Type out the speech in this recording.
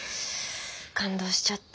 感動しちゃった。